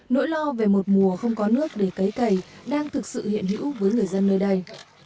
nỗi lo về một mùa không có nước để cấy cầy đang thực sự hiện hữu với người dân nơi đây